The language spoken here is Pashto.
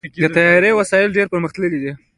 د طیارې وسایل ډېر پرمختللي دي.